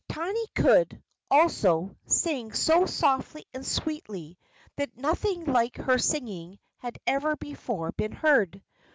Tiny could, also, sing so softly and sweetly that nothing like her singing had ever before been heard.